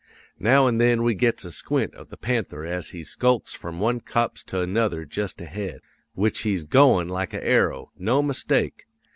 Now an' then we gets a squint of the panther as he skulks from one copse to another jest ahead. Which he's goin' like a arrow; no mistake!